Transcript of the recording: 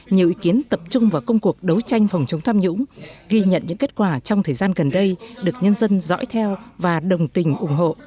nhiều ý kiến tập trung vào công cuộc đấu tranh phòng chống tham nhũng ghi nhận những kết quả trong thời gian gần đây được nhân dân dõi theo và đồng tình ủng hộ